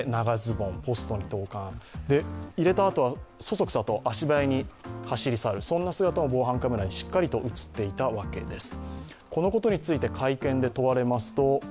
入れたあとは、そそくさと足早に走り去る、そんな姿が防犯カメラにしっかりと映っていたわけです。